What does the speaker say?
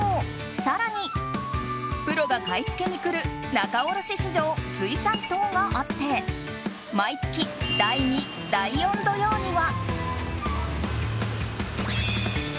更にプロが買い付けに来る仲卸市場水産棟があって毎月第２、第４土曜には。